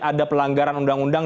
ada pelanggaran undang undang